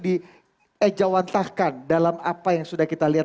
di ejawantahkan dalam apa yang sudah kita lihat